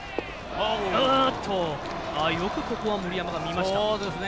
よくここは森山が見ました。